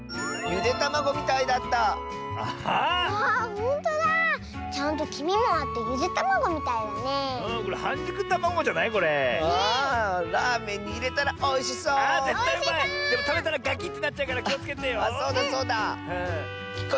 でもたべたらガキッてなっちゃうからきをつけてよ。